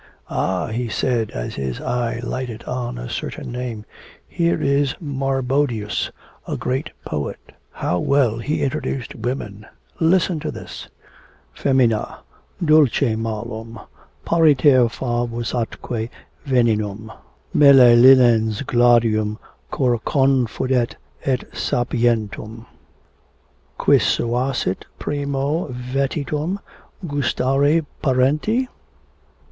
"Ah!" he said, as his eye lighted on a certain name, 'here is Marbodius, a great poet; how well he understood women! Listen to this: '"Femina, dulce malum, pariter favus atque venenum, Melle linens gladium cor confodit et sapientum. Quis suasit primo vetitum gustare parenti?